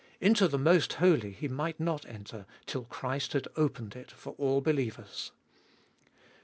Into the Most Holy he might not enter till Christ had opened it for all believers.